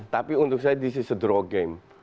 tapi untuk saya di sisi draw game